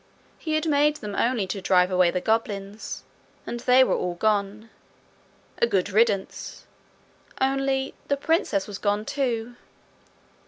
He had made them only to drive away the goblins, and they were all gone a good riddance only the princess was gone too!